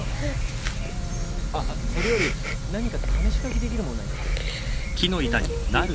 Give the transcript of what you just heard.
あっそれより何か試し書きできるものないか？